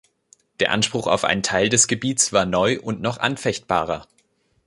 Der Anspruch auf einen Teil des Gebiets war neu und noch anfechtbarer.